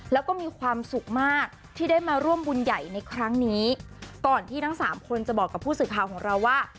แล้วก็มีความสุขมากที่ได้มาร่วมบุญใหญ่ในครั้งนี้ก่อนที่ทั้งสามคนจะบอกกับผู้สื่อข่าวของเราว่า